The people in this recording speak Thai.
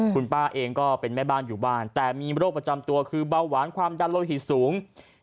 คุณป้าเองก็เป็นแม่บ้านอยู่บ้านแต่มีโรคประจำตัวคือเบาหวานความดันโลหิตสูง